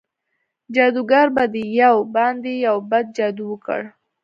جادوګر په دیو باندې یو بد جادو وکړ.